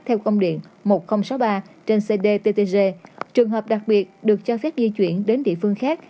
theo công điện một nghìn sáu mươi ba trên cdttg trường hợp đặc biệt được cho phép di chuyển đến địa phương khác